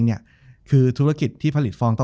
จบการโรงแรมจบการโรงแรม